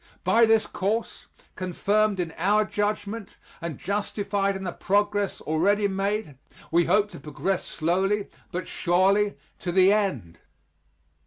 By this course, confirmed in our judgment, and justified in the progress already made, we hope to progress slowly but surely to the end.